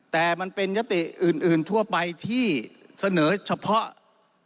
แต่มันเป็นยติอื่นทั่วไปที่เสนอเฉพาะ